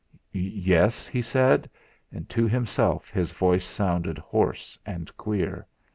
"Yes?" he said, and to himself his voice sounded hoarse and queer.